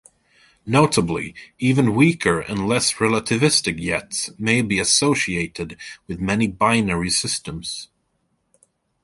Notably, even weaker and less relativistic jets may be associated with many binary systems.